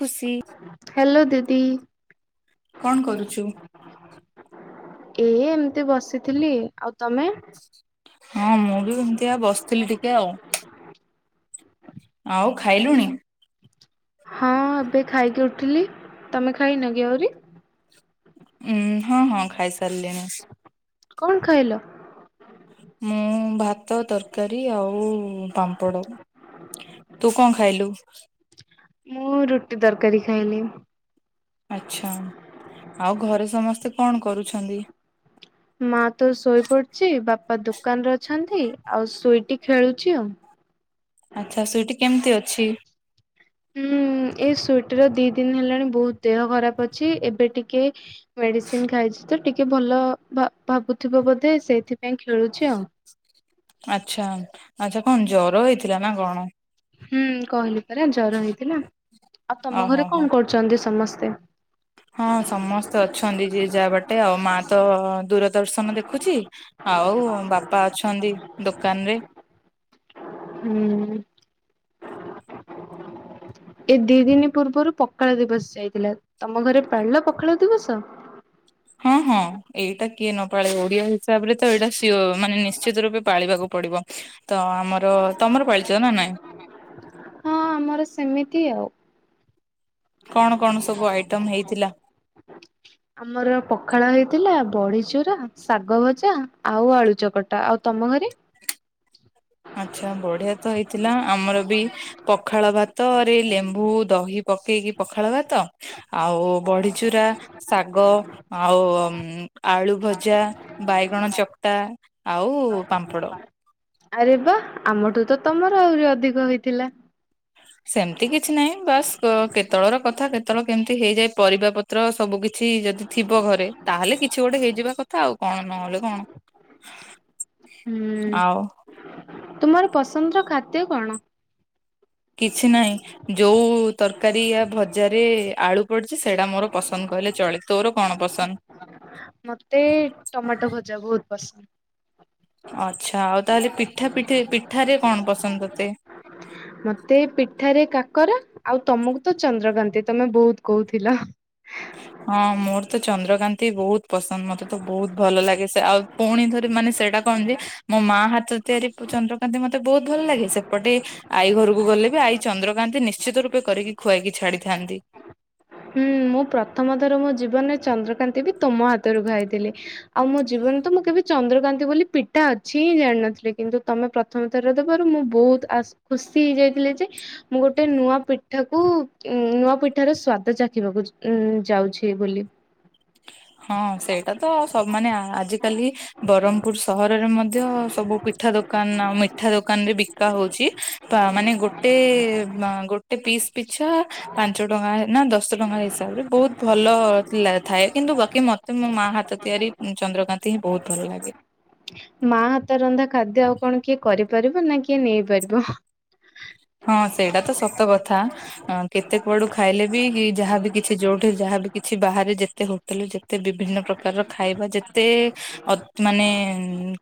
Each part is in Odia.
ଖୁସି। ହାଲୋ ଦିଦି। କଣ କରୁଛୁ? ଏ ଏମିତି ବସିଥିଲି, ଆଉ ତମେ ହଁ ମୁଁ ବି ଏମତିଆ ବସିଥିଲି ଟିକେ ଆଉ- ଆଉ ଖାଇଲୁଣି? ହଁ ଏବେ ଖାଇକି ଉଠିଲି, ତମେ ଖାଇନ କି ଆହୁରି ଉ ହଁ ହଁ ଖାଇ ସାରିଲିଣି। କଣ ଖାଇଲ? ମୁଁ ଭାତ, ତରକାରୀ ଆଉ ପାମ୍ପଡ଼। ତୁ କଣ ଖାଇଲୁ? ମୁଁ ରୁଟି, ତରକାରୀ ଖାଇଲି। ଆଛା ଆଉ ଘରେ ସମସ୍ତେ କଣ କରୁଛନ୍ତି? ମା ତ ଶୋଇ ପଡ଼ିଛି। ବାପା ଦୋକାନରେ ଅଛନ୍ତି। ଆଉ ସୁଇଟି ଖେଳୁଛି ଆଉ- [inaudible] ଆଛା ସୁଇଟି କେମିତି ଅଛି? ହୁଁ ଏ ସୁଇଟିର ଦି ଦିନ ହେଲାଣି ବହୁତ ଦେହ ଖରାପ ଅଛି। ଏବେ ଟିକେ ମେଡିସିନ ଖାଇଛି। ତ ଟିକେ ଭଲ ଭାବୁଥିବ ବୋଧେ, ସେଇଥିପାଇଁ ଖେଳୁଛି ଆଉ ଆଛା ଆଛା କଣ ଜର ହେଇଥିଲା, ନା କଣ? ହୁଁ, କହିଲି ପରା ଜର ହେଇଥିଲା। ଆଉ ତମ ଓହୋ ଘରେ ହୋ। କଣ କରୁଛନ୍ତି ସମସ୍ତେ? [inaudible] ହଁ ସମସ୍ତେ ଅଛନ୍ତି, ଯିଏ ଯାହା ବାଟେ ଆଉ ମା ତ ଦୂର ଦର୍ଶନ ଦେଖୁଛି ଆଉ ବାପା ଅଛନ୍ତି ଦୋକାନ ରେ ହୁଁ ଏ ଦି ଦିନ ପୂର୍ବରୁ ପଖାଳ ଦିବସ ଯାଇଥିଲା ତମ ଘରେ ପାଳିଲ ପଖାଳ ଦିବସ? ହଁ ହଁ ଏଇଟା କିଏ ନପାଳେ ଓଡିଆ ହିସାବରେ ତ ଏଇଟା ସିଓର ମାନେ ନିଶ୍ଚିତ ରୂପେ ପାଳିବାକୁ ପଡିବ। ତ ଆମର, ତମର ପାଳିଚ ନା ନାଇଁ? ହଁ ଆମର ସେମିତି ଆଉ। କଣ କଣ ସବୁ ଆଇଟମ ହେଇଥିଲା? ଆମର ପଖାଳ ହେଇଥିଲା, ବଢି ଚୁରା, ଶାଗ ଭଜା, ଆଉ ଆଳୁଚକଟା ଆଉ ତମ ତମ ଘରେ ଆଛା, ବଢିଆ ତ ହେଇଥିଲା, ଆମର ବି ପଖାଳ ଭାତରେ ଲେମ୍ବୁ, ଦହି ପକେଇକି ପଖାଳ ଭାତ ଆଉ ବଢିଚୁରା, ଶାଗ ଆଉ ଆଳୁ ଭଜା ବାଇଗଣ ଚକଟା ଆଉ ପାମ୍ପଡ। ଆରେ ବାଃ, ଆମଠୁ ତ ତମର ଆହୁରି ଅଧିକ ହେଇଥିଲା। କେତେଳ ର କଥା କେତେଳଳେ କେମିତି ହେଇଯାଏ ପରିବା ପତ୍ର ସବୁ କିଛି କିଛି ଯଦି ଥିବ ଘରେ, ତାହେଲେ କିଛି ଗୋଟେ ହେଇଯିବା କଥା ଆଉ କଣ, ନହେଲେ କଣ [inaudible] ଆଉ ତୁମର ପସନ୍ଦର ଖାଦ୍ୟ କଣ? କିଛି ନହିଁ ଯୋଉ ତରକାରୀ ଭଜାରେ ଆଳୁ ପଡିଛି ସେଟା ମୋର ପସନ୍ଦ କହେ ଚଳେ, ତୋର କଣ ପସନ୍ଦ? ମତେ ଟମାଟୋ ଭଜା ବହୁତ ପସନ୍ଦ। ଆଛା, ଆଉ ତାହେଲେ ପିଠାପିଠି, ପିଠାରେ କଣ ପସନ୍ଦ ତତେ ମତେ ପିଠାରେ -କାକରା ଆଉ ତମକୁ ତ ଚନ୍ଦ୍ରକାନ୍ତି, ତମେ ବହୁତ କହୁଥିଲ ହଁ ମୋର ତ ଚନ୍ଦ୍ରକାନ୍ତି ବହୁତ ପସନ୍ଦ, ମତେ ତ ବହୁତ ଭଲ ଲାଗେ ସେ ଆଉ ପୁଣିଥରେ ମାନେ ସେଇଟା କଣ ଯେ ମୋ ମା ହାତ ତିଆରି ଚନ୍ଦ୍ରକାନ୍ତି ମ ମତେ ବହୁତ ଭଲ ଲାଗେ ସେପଟେ ଆଈ ଘରକୁ ଗଲେ ବି ଆଈ ଚନ୍ଦ୍ରକାନ୍ତି ନିଶ୍ଚିତ ରୂପେ କରିକି ଖୁଆଇକି ଛାଡିଥାନ୍ତି। ହୁଁ ମୁଁ ପ୍ରଥମଥର ମୋ ଜୀବନରେ ଚନ୍ଦ୍ରକାନ୍ତି ବି ତୁମ ହାତରୁ ଖାଇଥିଲି। ଆଉ ମୋ ଜୀବନରେ ତ ମୁଁ କେବେ ଚନ୍ଦ୍ରକାନ୍ତି ବୋଲି ପିଟା ଅଛି ଜାଣିିନଥିଲି, କିନ୍ତୁ ତମେ ପ୍ରଥମ ଥର ଦେବାରୁ ମୁଁ ବହୁତ ଆ ଖୁସି ଖ ହେଇ ଯାଇଥିଲେ ଯେ ମୁଁ ଗୋଟେ ନୂଆ ପିଠା କ ନୂଆ ପିଠାର ସ୍ଵା ତ ଚାଖିବାକୁ ଉ ଯାଉଛି ବୋଲି। ହଁ ସେଇଟା ତ ସ ମାନେ ଆଜିକାଲି ବ୍ରହ୍ମପୁର ସହରରେ ମଧ୍ୟ ସବୁ ଠା ଦ ମିଠା ଦାନରେ ବିକା ହୋଇଛି ବା ମାନେ ଗୋଟେ ଗୋଟେ ପିସ୍ ପିଛା ପାଞ୍ଚ ଟଙ୍କା ନା ଦଶ ଟଙ୍କା ହିସାବରେ ବୋହୁତ ଲ ଭଲ ଥାଏ। କିନ୍ତୁ ବାକି ମତେ ମୋ ମା ହାତ ତିଆରି ଚନ୍ଦ୍ରକାନ୍ତି ହିଁ ବୋହୁତ ଭଲ ଲାଗେ। ହତା ରନ୍ଧା ଖାଦ୍ୟ ଆଉ କଣ କିଏ କରିପାରିବ ନା କିଏ ନେଇପାରିବ। ହଁ ସେଇଟା ତ ସତ କଥା। ଅଁ କେତେ କୁଆଡୁ ଖାଇଲେ ବି ଯାହାବି କିଛି ଯୋଉଠି ଯାହାବି କିଛି ବାହାରେ ଯେତେ ହୋ ଯେ ତ ବିଭିନ୍ନ ପ୍ରକାରର ଖାଇବା ଯେତେ ଅ ମାନେ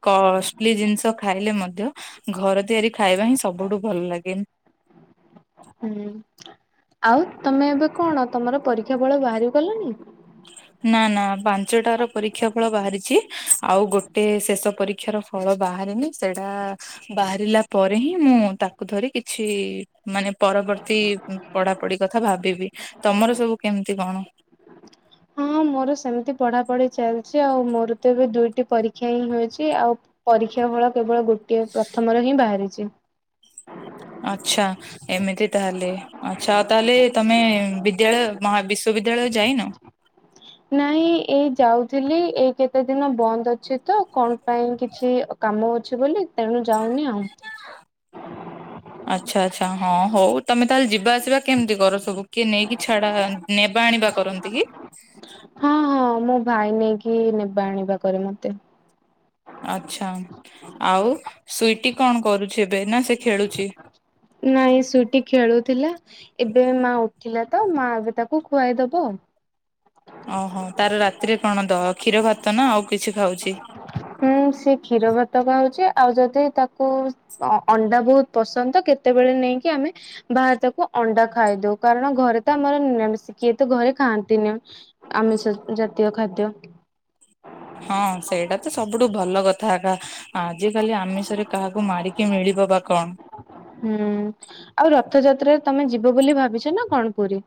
କଷ ଜିନିଷ ଖାଇଲେ ମଧ୍ୟ ଘର ତିଆରି ଖାଇବା ହିଁ ସବୁଠୁ ଭଲ ଲାଗେ। ହୁଁ ଆଉ ତମେ ଏବେ କଣ ତମର ପରୀକ୍ଷା ବଳ ବାହାରି ଗଲାଣି? ନା ନା ପାଞ୍ଚଟ ର ପରୀକ୍ଷା ଫଳ ବାହାରିଛି। ଆଉ ଗୋଟେ ଶେଷ ପରୀକ୍ଷାର ଫଳ ବାହାରିନି, ସେଇଟା ବାହାରିଲା ପରେ ହିଁ ମୁଁ ତାକୁ ଧରି କିଛି ମାନେ ପରବର୍ତ୍ତୀ ପଢାପଢି କଥା ଭାବିବି ତମର ସବୁ କେମିତି କଣ? ହଁଁ ମୋର ସେମିତି ପଢା ପଢି ଚାଲିଛି, ଆଉ ମୋର ତ ଏବେ ଦୁଇଟି ପରୀକ୍ଷା ହିଁ ହୋଇଚି। ଆ ପରୀକ୍ଷା ଫଳ କେବଳ ଗୋଟିଏ ପ୍ରଥମରେ ହିଁ ବାହାରିଚି। ଆଛା ଏମିତି ତାହେଲେ ଆଛା ଆଉ ତାହେଲେ ତମେ ବି ବିଦ୍ୟାଳୟ ମହାବିଶ୍ୱବିଦ୍ୟାଳୟ ଯାଇନ? ନାଇଁ ଏଇ ଯାଉଥିଲି, ଏଇ କେତେ ଦିନ ବନ୍ଦ ଅ ଅଛି ତ କଣ ପାଇଁ କିଛି କାମ ଅଛି ବୋଲି ତେଣୁ ଯାଉନି ଆଉ। ଆଚ୍ଛା ଆଚ୍ଛା ହଁ ହଉ ତମେ ତାହେଲେ ଯିବା ଆସିବା କେମିତି କର? ସବୁ କିଏ ନେଇକି ଛାଡା ନେବା ଆଣିବା କରନ୍ତି କି? ମୁଁ ଭାଇ ନେଇକି ନେବା ଆଣିବା କରେ ମତେ। ଆଛା ଆଉ ସୁଇଟି କଣ କରୁଛି ଏବେ, ନା ସେ ଖେଳୁଛି? ନାଇଁ ସୁଇଟିି ଖେଳୁଥିଲା, ଏବେ ମା ଉଠିଲା ତ ମା ଏବେ ତାକୁ ଖୁଆଇଦବ। ଓହୋ ତାର ରାତିରେ କଣ ଦ କ୍ଷୀର ଭାତ ନା ଆଉ କିଛି ଖାଉଛି? [inaudible] ହୁଁ ସେ କ୍ଷୀର ଭାତ ଖାଉଚି, ଆଉ ଯଦି ତାକୁ ଅ ଅଣ୍ଡା ବୋହୁତ ପସନ୍ଦ କେତେବେ ବେଳେ ନେଇକି ଆମେ ବାହାର ତାକୁ ଅଣ୍ଡା ଖାଇଦୋଉ, କାରଣ ଘରେ ତ ଆମର ନିରାମିଷ କିଏ ତ ଘରେ ଖାଆ [unintelligible] ଆମିଷ ଜାତୀୟ ଖାଦ୍ୟ। ହଁ ସେଇଟା ତ ସବୁଠୁ ଭଲ କଥା ଏକା ଆଜିକାଲି ଆମିଷରେ କାହାକୁ ମାରିକି ମିଳ [unintelligible] କଣ? ହୁଁ ଆଉ ରଥଯାତ୍ରାରେ ତମେ ଯିବ ବୋଲି ଭାବିଛ ନା କଣ ପୁରୀ?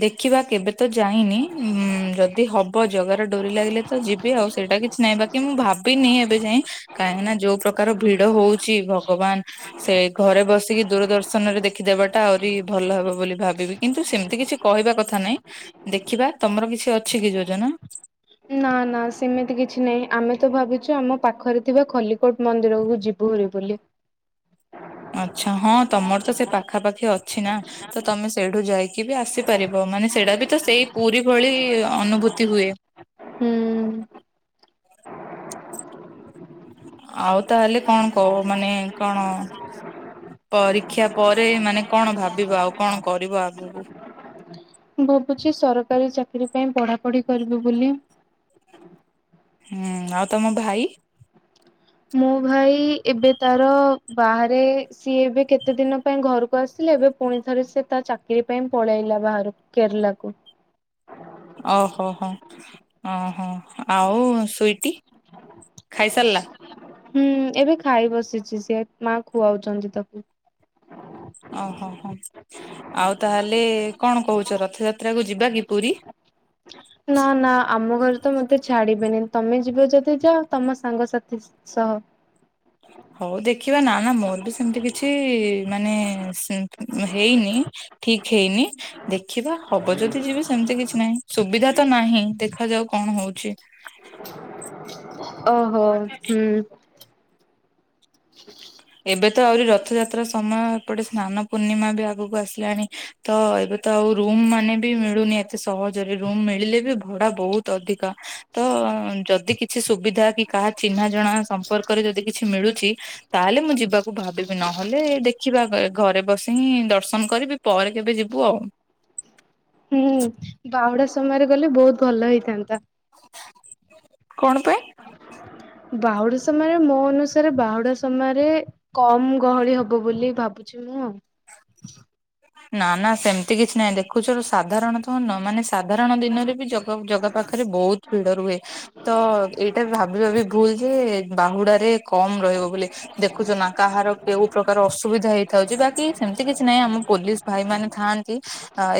ଦେଖିବା କେବେ ତ ଯାଇନି ହଁ ଯଦି ହବ ଜଗା ଡୋରି ଲାଗିଲେ ତ ଯିବି ଆଉ, ସେଇଟା କିଛି ନାହିଁ ବାକି ମୁଁ ଭାବିନି ଏବେ ଯାଏଁ କାହିଁକିନା ଯୋଉ ପ୍ରକାର ଭିଡ ହଉଛି ଭଗବାନ ସେ ଘରେ ବସିକି ଦୂରଦର୍ଶନ ରେ ଦେଖ ଦେବାଟା ଆହୁରି ଭଲ ହବ ବୋଲି ଭାବିବି କିନ୍ତୁ ସେମିତି କିଛି କହିବା କଥା ନାଇଁ ଦେଖିବା ତମର କିଛି ଅଛି କି ଯୋଜନା? ନା ନା ସେମିତି କିଛି ନାହିଁ ଆମେ ତ ଭାବିଛୁ ଆମ ପାଖରେ ଥିବା ଖଲିକୋଟ ମନ୍ଦିରକୁ ଯିବୁ। [unintelligible] ବୁଲି। ଆଛା ହଁ ତମର ତ ସେ ପାଖାପାଖି ଅଛି ନା ତ ତମେ ସେଇଠୁ ଯାଇି କିଏ ବି ଆସିପାରିବ ମାନେ ସେଇଟା ବି ତ ସେଇ ପୁରୀ ଭଳି ଅନୁଭୂତି ହୁଏ। ହୁଁ। ଆଉ ତାହେଲେ କଣ କୋ ମାନେ କଣ ପରୀକ୍ଷା ପରେ ମାନେ କଣ ଭାବିବ ଆଉ କଣ କରିବ ଆଗକୁ। ଭାବୁଛି ସରକାରୀ ଚାକିରୀ ପାଇଁ ପଢାପଢି କରିବି ବୋଲି। ହୁଁ ଆଉ ତମ ଭାଇ। ମୋ ଭାଇ ଏବେ ତାର ବାହାରେ ସିଏ ଏବେ କେତେ ଦିନ ପାଇଁ ଘରକୁ ଆସି ଏବେ ପୁଣି ଥରେ ସେ ତା ଚାକିରୀ ପାଇଁ ପଳେଇଲା ବାହାରକୁ କେରଲାକୁ। ଓହୋ ହୋ ହଁ ହଁ। ଆଉ ସୁଇଟି ଖାଇ ସାରିଲା। ହୁଁ ଏବେ ଖାଇ ବସିଛି ସିଏ ମା ଖୁଆଉଛନ୍ତି ତାକୁ। ଓହୋ ହୋ ଆଉ ତାହେଲେ କଣ କହୁଛ ରଥଯାତ୍ରା କୁ ଯିବା କି? ପୁରୀ? ନା ନା ଆମ ଘରେ ତ ମତେ ଛାଡିବେନି ତମେ ଯିବ ଯଦି ଜା ତମ ସାଙ୍ଗସାଥି ସହ। ହଉ ଦେଖିବା ନା ନା ମୋର ବି ସେମିତି କିଛି ମାନେ ସ ହେଇନି। ଠିକ ହେଇନି ଦେଖ ଦେଖିବା ହବ ଯଦି ଯିବି ସେମତି କିଛି ନାହିଁ ସୁବିଧା ତ ନାହିଁ ଦେଖାଯାଉ କଣ ହଉଛି। [inaudible] ଓହୋ ହୁଁ। ଏବେ ତ ଆହୁରି ରଥଯାତ୍ରା ସମୟ ଏପଟେ ସ୍ନାନ ପୂର୍ଣ୍ଣିମା ବି ଆଗକୁ ଆସିଲାଣି ତ ଏବେ ତ ଆଉ ରୁମ୍ ମାନେ ବି ମିଳୁନି ଏତେ ସହଜରେ ରୁମ ମିଳିଲେ ବି ଭଡା ବହୁତ ଅଧିକ ତ ଯଦି କିଛି ସୁବିଧା କି କାହା ଚିହ୍ନା ଜଣା ସମ୍ପର୍କରେ ଯଦି କିଛି ମିଳୁଛି ତାହେଲେ ମୁଁ ଯିବାକୁ ଭାବିବି ନହେଲେ ଦେଖିବା ଘରେ ବସି ହିଁ ଦର୍ଶନ କରିବି ପରେ କେବେ ଯିବୁ। ପୁଆ ହୁଁ ବାହୁଡା ସମୟରେ ଗଲେ ବହୁତ ଭଲ ହେଇଥାନ୍ତା। କଣ ପା ବାହୁଡା ସମୟରେ ମୋ ଅନୁସାରେ ବାହୁଡା ସମୟରେ କମ ଗହଳି ହବ ବୋଲି ଭାବ ଭାବୁଚି ମୁଁ ଆଉ। ନା ନା ସେମିତି କିଛି ନାହିଁ ଦେଖୁଛ ସାଧାରଣତ ମାନେ ସାଧାରଣ ଦିନରେ ବି ଜଗ ଜଗା ପାଖରେ ବହୁତ ଭିଡ ରୁହେ ତ ଏଇଟା ବି ଭାବି ଭାବି ଭୁ ଯେ ଏ ବାହୁଡାରେରେ କମ ରହିବ ବୋଲି ଦେଖୁଛ ନା କାହାର କେଉଁ ପ୍ରକାର ଅସୁବିଧା ହେଇଥାଉଛି ବାକି ସେମିତି କିଛି ନାହିଁ ଆମ ପୋଲିସ ଭାଇ ମାନେ ଥାନ୍ତି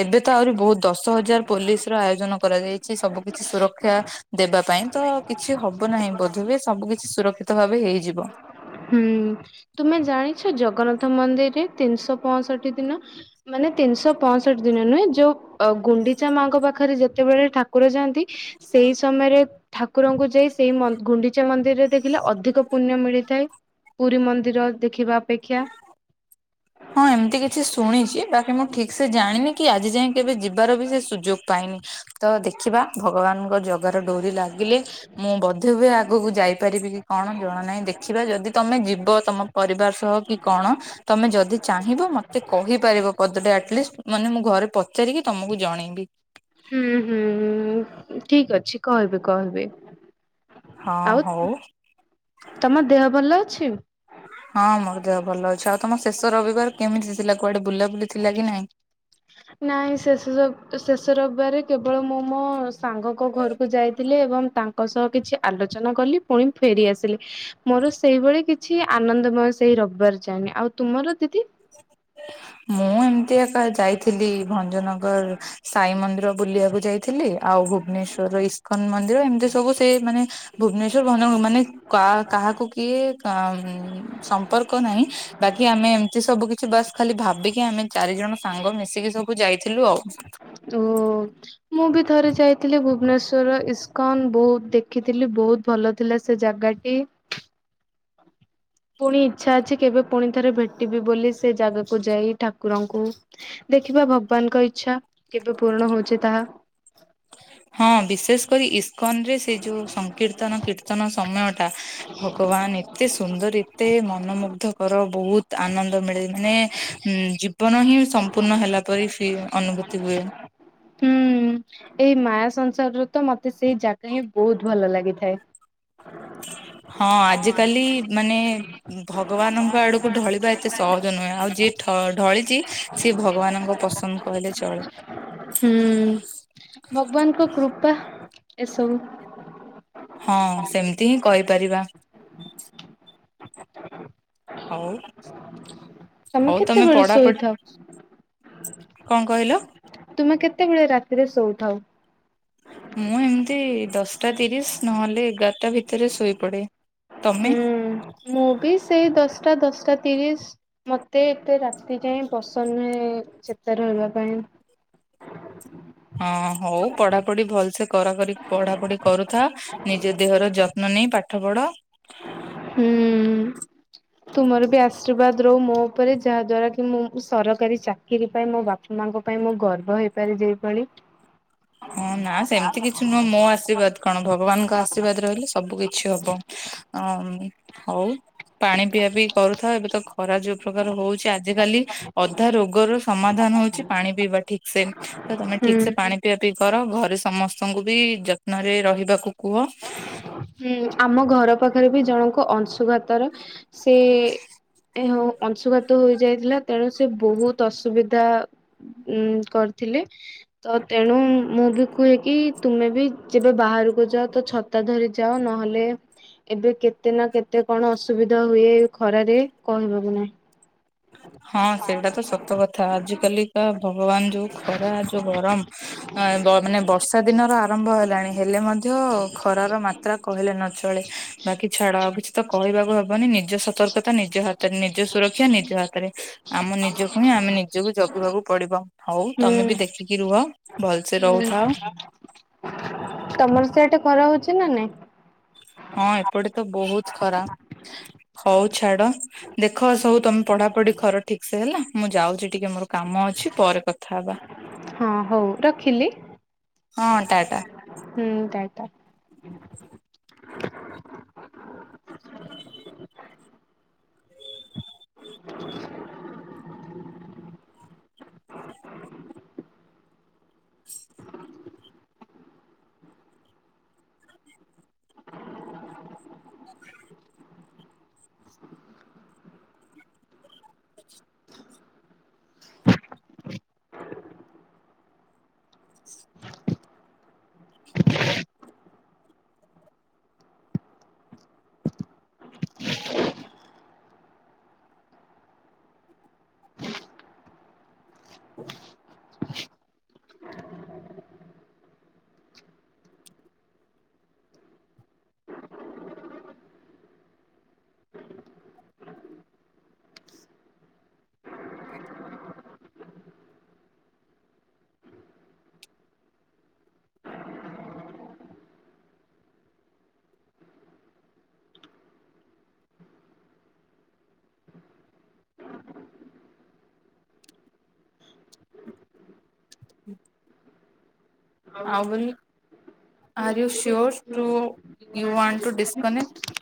ଏବେ ତ ଆହୁରି ଦସ ଦଶ ହଜାର ପୋଲିସ ର ଆୟୋଜନ କରାଯାଇଛି ସବୁ କିିଛି ସୁରକ୍ଷିତ। ଶିକ୍ଷା ଦେବା ପାଇଁ ତ କିଛି ହବ ନାହିଁ ବୋଧ ବି ସବୁ କିଛି ସୁରକ୍ଷିତ ଭାବେ ହେଇଯିବ। ହୁଁ ତୁମେ ଜାଣିଛ ଜଗନ୍ନାଥ ମନ୍ଦିରରେ ତିନିଶହ ପଁସଠିଦିନ ମାନେ ତିନିଶହ ପଁଷଠି ଦିନ ନୁହେଁ ଯୋଉ ଗୁଣ୍ଡିଚା ମାଙ୍କ ପାଖରେ ଯେତେବେଳେ ଠାକୁର ଯାଆନ୍ତି। ସେଇ ସମୟରେ ଠାକୁରଙ୍କୁ ଯାଇ ସେଇ ମ ଗୁଣ୍ଡିଚା ମନ୍ଦିରରେ ଦେଖିଲେ ଅଧିକ ପୁଣ୍ୟ ମିଳିଥାଏ। ପୁରୀ ମନ୍ଦିର ଦେଖିବା ଅପେକ୍ଷା। ହଁ ଏମିତି କିଛି ଶୁଣିଛି ବାକି ମୁଁ ଠିକ ସେ ଜାଣିନି କି ଆଜି ଯାଇ କେବେ ଯିବାର ବି ସେ ସୁଯୋଗ ପାଇନି। ତ ଦେଖିବା ଭଗବାନ। ଜଗାର ଡୋରି ଲାଗିଲେ ମୁଁ ବୋଧେ ହୁଏ ଆଗକୁ ଯାଇପାରିବି କି କଣ ଜଣ ନାହିଁ ଦେଖିବା ଯଦି। ତମେ ଯିବ ତମ ପରିବାର ସହ କି କଣ ତମେ ଯଦି। ଚାହିଁ ମତେ କହିପାରିବ ପଦଟେ ଆଟଲିଷ୍ଟ ମାନେ ମୁଁ ଘରେ ପଚାରିକି ତମକୁ ଜଣେଇବି। ହୁଁ ହୁଁ ଠିକ ଅଛି କହିବି କହିବି। ହଁ ଆଉ ହଉ ତମ ଦେହ ଭଲ ଅଛି। ହଁ ମୋର ଦେହ ଭଲ ଅଛି ଆଉ ତମ ଶେଷ ରବିବାର କେମିତି ଥିଲା କୁଆଡେ ବୁଲାବୁଲି ଥିଲା କି ନାଇଁ। ହ ନାଇଁ ଶେଷ ଶେଷ ରବିବାରେ କେବଳ ମୁଁ ମୋ ସାଙ୍ଗଙ୍କ ଘରକୁ ଯାଇଥିଲି। ଏବଂ ତାଙ୍କ ସହ କିଛି ଆଲୋଚନା କଲି ପୁଣି ଫେରି ଆସିଲି ମୋର ସେଇଭଳି କିଛି ଆନନ୍ଦ ମୁଁ ସେଇ ରବିବାର ଚାନି ଆଉ ତୁମର ଦିଦି। ମୁଁ ଏମିତି ଏକ ଯାଇଥିଲି ଭଞ୍ଜନଗର ସାଇ ମନ୍ଦିର ବୁଲିବାକୁ ଯାଇଥିଲି ଆଉ ଭୁବନେଶ୍ଵରର ଇସ୍କନ ମନ୍ଦିର ଏମିତି ସବୁ ସେ ମାନେ ଭୁବନେଶ୍ୱର ଭହନ ମାନେ କ କାହାକୁ କିଏ ସମ୍ପର୍କ ନାହିଁ ବାକି ଆମେ ସବୁ କିଛି ବାସ୍ ଖାଲି ଭାବିକି ଆମେ ଚାରି ଜଣ ସାଙ୍ଗ ମିଶିକି ସବୁ ଯାଇଥିଲୁ ଆଉ। ଓ ମୁଁ ବି ଥରେ ଯାଇଥିଲି ଭୁବନେଶ୍ଵର ଇସ୍କନ ବହୁତ ଦେଖିଥିଲି। ବହୁତ ଭଲ ଥିଲା ସେ ଜାଗାଟି। ପୁଣି ଇଚ୍ଛା ଅଛି କେବେ ପୁଣି ଥରେ ଭେଟିବି ବୋଲି ସେ ଜାଗାକୁ ଯାଇ ଠାକୁରଙ୍କୁ। ଦେଖିବା ଭଗବାନଙ୍କ ଇଚ୍ଛା କେବେ ପୂରଣ ହଉଛି ତାହା ହଁ ବିଶେଷ କରି ଈ କନ ରେ ସେ ଯୋଉ ସଂକୀର୍ତ୍ତନ କୀର୍ତ୍ତନ ସମୟଟା ଭଗବାନ ଏତେ ସୁନ୍ଦର ଏତେ ମନମୁଗ୍ଧକର ବହୁତ ଆନନ୍ଦ ମିଳେ ମାନେ ଉଁ ଜୀବନ ହିଁ ସମ୍ପୂର୍ଣ୍ଣ ହେଲା ପରି ଅନୁଭୂତି ହୁଏ। ହୁଁ। ଏଇ ମାୟା ସଂସାରର ତ ମତେ ସେଇ ଜାଗା ହିଁ ବହୁତ ଭଲ ଲାଗିଥାଏ। ହଁ ଆଜିକାଲି ମାନେ ଭଗବାନଙ୍କ ଆଡକୁ ଢଳିବା ସହଜ ନୁହେଁ ଆଉ ଯିଏ ଢଳିଛି ସିଏ ଭଗବାନଙ୍କ ପସନ୍ଦ କହିଲେ ଚଳେ। ହୁଁ ଭଗବାନଙ୍କ କୃପା ଏସବୁ ହଁ ସେମିତି ହିଁ କହିପାରିବା। ହଉ ହଉ ତମେ କେତେବେଳେ ପଢ଼ା ପ ଶୋଇଥାଅ? କଣ କହିଲ? ତମେ କେତେବେଳେ ରାତିରେ ଶୋଉଥାଉ? ମୁଁ ଏମିତି ଦଶଟା ତିରିଶ ନହେଲେ ଏଗାର ଟା ଭିତରେ ଶୋଇ ପଡେ ତମେ? ଟା ଦଶଟା ତିରିଶ ମତେ ଏତେ ରାତି ଯାଏଁ ପସନ୍ଦ ନୁହେଁ ଚେତା ରହିବା ପାଇଁ। ହଁ ହଁ ହଉ ପଢାପଢି ଭଲସେ କରାକରି ପଢାପଢି କରୁଥା ନିଜ ଦେହର ଯତ୍ନ ନେଇ ପାଠପଢ। ହୁଁ। ତୁମର ବି ଆଶୀର୍ବାଦ ରହୁ ମୋ ଉପରେ ଯାହା ଦ୍ଵାରା କି ମୁଁ ସରକାରୀ ଚାକିରୀ ପାଇଁ ମୋ ବାପା ମା ତାଙ୍କ ପାଇଁ ମୁଁ ଗର୍ବ ହେଇପାରେ ଯେଭଳି ହଁ ନା ସେମିତି କିଛି ନୁହଁ ମୋ ଆଶୀର୍ବାଦ କଣ ଭଗବାନଙ୍କ ଆଶୀର୍ବାଦ ରହିଲେ ସବୁ କିଛି ହବ। ଅଁ ହଉ ପାଣି ପିଆପିଇ କରୁଥା ଏବେ ତ ଖରା ଯୋଉ ପ୍ରକାର ହଉଛି ଆଜି କାଲି ଅଧା ରୋଗର ସମାଧାନ ହଉଛି ପାଣି ପିଇବା ଠିକ ସେ ତ ତମେ ଠିକ ସେ ହୁଁ। ପାଣି ପିଆପିଇ କର ଘରେ ସମସ୍ତଙ୍କୁ ବି ଯତ୍ନରେ ରହିବାକୁ କୁହ। ହୁଁ ଆମ ଘର ପାଖରେ ବି ଜଣଙ୍କୁ ଅଂଶୁଘାତର ସେ ଅଂଶୁଘାତ ହୋଇଯାଇଥିଲା ତେଣୁ ସେ ବହୁତ ଅସୁବିଧା ଉଁ କରିଥିଲେ ତ ତେଣୁ ମୁଁ ବି କୁହେକି ତୁମେ ବି ଯେବେ ବାହାରକୁ ଯାଅ ତ ଛତା ଧରି ଯାଅ ନହେଲେ ଏବେ କେତେ ନା କେତେ କଣ ଅସୁବିଧା ହୁଏ ଖରାରେ କହିବାକୁ ନାଇଁ। ହଁ ସେଇଟା ତ ସତ କଥା ଆଜିକାଲିକା ଭଗବାନ ଯୋଉ ଖରା ଯୋଉ ଗରମ ମାନେ ବର୍ଷା ଦିନର ଆରମ୍ଭ ହେଲାଣି ହେଲେ ମଧ୍ୟ ତ ଖରାର ମାତ୍ରା କହିଲେ ନ ଚଳେ ବାକି ଛାଡ ଆଉ କିଛି ତ କହିବାକୁ ହବନି ନିଦ ନିଜ ସତର୍କତା ନିଜ ହାତରେ ନିଜ ସୁରକ୍ଷା ନିଜ ହାତ ଆମ ନିଜକୁ ହିଁ ଆମେ ନିଜକୁ ଜଗିବାକୁ ପଡିବ ହଉ ତମେ ବି ଦେଖିକି ରୁହ। ଭଲସେ ରହୁଥାଅ ହଁ ତମର ସେଟା ଖରା ହଉଛି ନା ନାଇଁ? ହଁ ଏପଟେ ତ ବହୁତ ଖରା, ହଉ ଛାଡ ଦେଖ ସବୁ ତମେ ପଢା ପଢ଼ି କର ଠିକ ସେ ହେଲା ମୁଁ ଯାଉଛି ଟିକେ ମୋର କାମ ଅଛି ପରେ କଥା ହବା। ହଁ ହଉ ରଖିଲି ହଁ ଟାଟା ହୁଁ ଟା ଟା। [unintelligible] [unintelligible] [unintelligible] [unintelligible] [unintelligible] ଆହୁ are you sure to you want to disconnect?